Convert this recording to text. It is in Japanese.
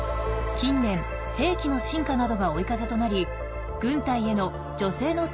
近年兵器の進化などが追い風となり軍隊への女性の登用が増えています。